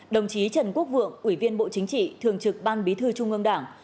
đồng chí trần quốc vượng ủy viên bộ chính trị thường trực ban bí thư trung ương đảng